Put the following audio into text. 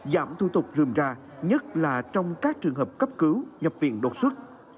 giảm thu tục rươm ra nhất là trong các trường hợp cấp cứu nhập viện đột xuất